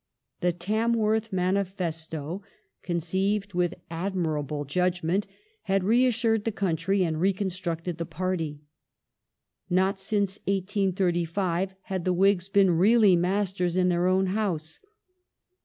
The "Tamworth Manifesto," conceived with admirable judgment, had reassured the country and reconstructed the party. Not since 1835 had the Whigs been really masters in their own house.